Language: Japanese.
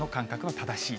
正しい。